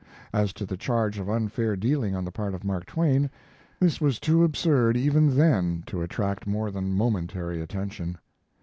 As to the charge of unfair dealing on the part of Mark Twain, this was too absurd, even then, to attract more than momentary attention.